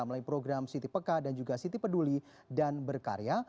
melalui program siti peka dan juga siti peduli dan berkarya